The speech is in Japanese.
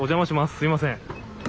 すみません。